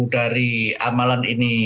dari amalan ini